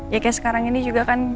ya kayak sekarang ini juga kan